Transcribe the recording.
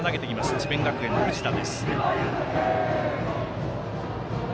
智弁学園の藤田。